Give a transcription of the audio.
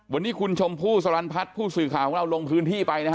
วันนี้คุณชมพู่สรรพัฒน์ผู้สื่อข่าวของเราลงพื้นที่ไปนะฮะ